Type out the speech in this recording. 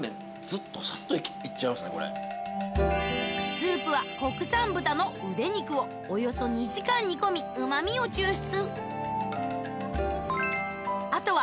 スープは国産豚の腕肉をおよそ２時間煮込みうま味を抽出